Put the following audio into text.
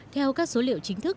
theo các số liệu chính thức